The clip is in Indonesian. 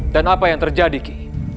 dan apa yang terjadi ki